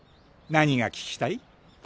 何が聞きたい？